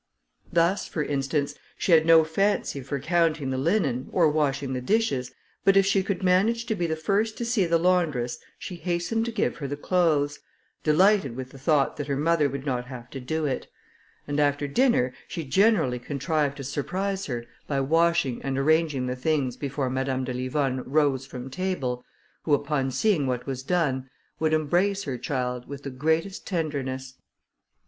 Thus, for instance, she had no fancy for counting the linen, or washing the dishes, but if she could manage to be the first to see the laundress, she hastened to give her the clothes, delighted with the thought that her mother would not have to do it; and after dinner she generally contrived to surprise her, by washing and arranging the things before Madame de Livonne rose from table, who, upon seeing what was done, would embrace her child with the greatest tenderness.